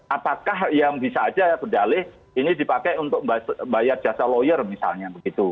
apakah yang bisa aja ya pendali ini dipakai untuk bayar jasa lawyer misalnya gitu